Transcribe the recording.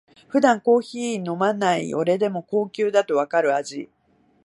普段コーヒー飲まない俺でも高級だとわかる味